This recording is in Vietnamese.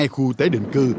hai khu tế định cư